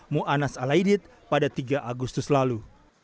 mu'anas alaidit pada tiga agustus lalu